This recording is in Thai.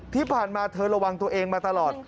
ที่ผ่านมาเธอระวังตัวเองมาตลอด